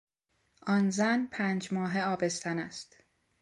آن زن پنج ماهه آبستن است.